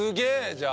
じゃあ。